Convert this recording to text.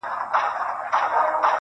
o یاره چنار دي پېغور نه راکوي,